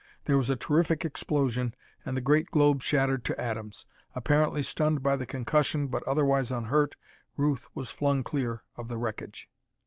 There was a terrific explosion and the great globe shattered to atoms. Apparently stunned by the concussion but otherwise unhurt, Ruth was flung clear of the wreckage.